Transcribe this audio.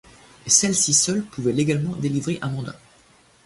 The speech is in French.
et celle-ci seule pouvait légalement délivrer un mandat.